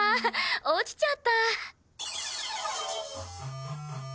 落ちちゃった。